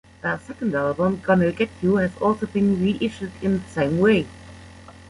Their second album "Gonna Get You" has also been reissued in the same way.